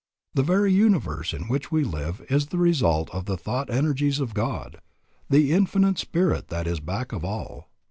The very universe in which we live is the result of the thought energies of God, the Infinite Spirit that is back of all.